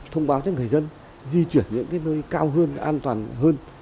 thông báo cho người dân di chuyển những nơi cao hơn an toàn hơn